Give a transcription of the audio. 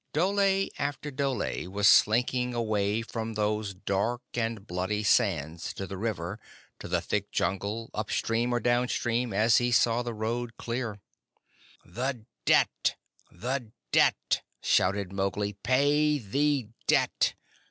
Dhole after dhole was slinking away from those dark and bloody sands to the river, to the thick Jungle, up stream or down stream as he saw the road clear. "The debt! The debt!" shouted Mowgli. "Pay the debt!